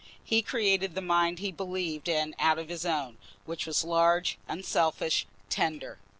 He created the mind he believed in out of his own, which was large, unselfish, tender.